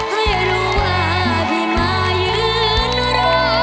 ไม่รู้ว่าที่มายืนรอ